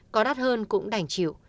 có đắt hơn cũng đảnh chịu